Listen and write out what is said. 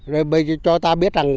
rồi cho ta biết rằng